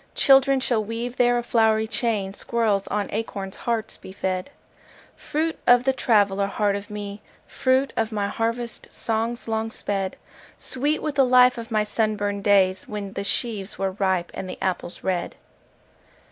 Children shall weave there a flowery chain, Squirrels on acorn hearts be fed:— Fruit of the traveller heart of me, Fruit of my harvest songs long sped: Sweet with the life of my sunburned days When the sheaves were ripe, and the apples red.